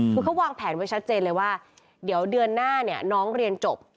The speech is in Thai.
คือเขาวางแผนไว้ชัดเจนเลยว่าเดี๋ยวเดือนหน้าเนี่ยน้องเรียนจบ